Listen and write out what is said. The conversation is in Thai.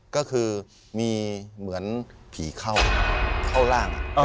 ก็คือมีเหมือนผีเข้าเข้าร่าง